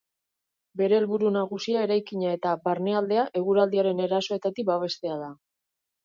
Bere helburu nagusia eraikina eta barnealdea eguraldiaren erasoetatik babestea da.